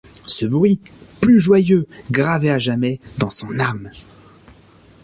Ce bruit, plus joyeux, gravé à jamais dans son âme.